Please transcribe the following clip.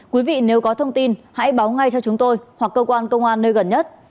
quý vị nếu có thông tin hãy báo ngay cho chúng tôi hoặc cơ quan công an nơi gần nhất